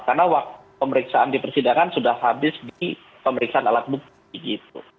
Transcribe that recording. karena waktu pemeriksaan di persidangan sudah habis di pemeriksaan alat bukti